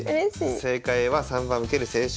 正解は３番「受ける青春」。